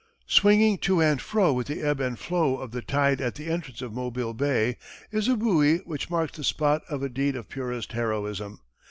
Swinging to and fro with the ebb and flow of the tide at the entrance of Mobile Bay, is a buoy which marks the spot of a deed of purest heroism.